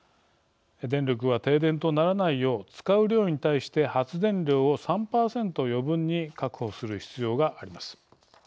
電力が停電とならないよう使う量に対して発電量を３％余分に確保する必要があります。